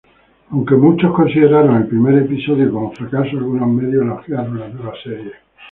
Aunque muchos consideraron el primer episodio como fracaso, algunos medios elogiaron la nueva serie.